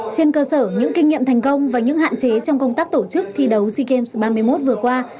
trên cơ sở những kinh nghiệm thành công và những hạn chế trong công tác tổ chức thi đấu sea games ba mươi một vừa qua